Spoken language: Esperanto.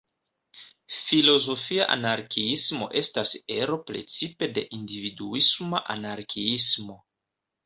Filozofia anarkiismo "estas ero precipe de individuisma anarkiismo.